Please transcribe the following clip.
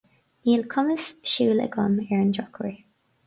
Níl cumas siúil agam, ar an drochuair.